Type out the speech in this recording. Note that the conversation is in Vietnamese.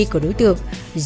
của đối tượng